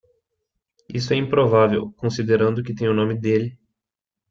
Isso é improvável, considerando que tem o nome dele.